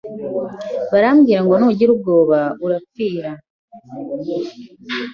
barambwira ngo nugira ubwoba urapfira